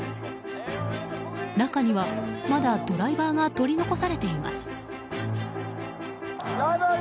中にはまだドライバーが取り残されています。